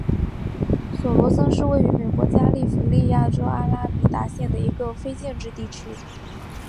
索伦森是位于美国加利福尼亚州阿拉米达县的一个非建制地区。